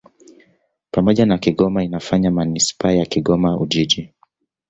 Pamoja na Kigoma inafanya manisipaa ya Kigoma-Ujiji.